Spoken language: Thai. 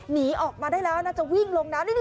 หนีออกมาได้แล้วน่าจะวิ่งลงน้ำ